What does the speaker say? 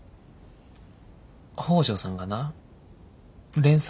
北條さんがな連載